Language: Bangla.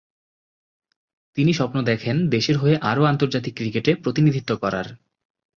তিনি স্বপ্ন দেখেন দেশের হয়ে আরও আন্তর্জাতিক ক্রিকেটে প্রতিনিধিত্ব করার।